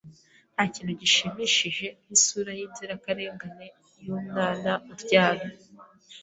Ntakintu gishimishije nkisura yinzirakarengane yumwana uryamye.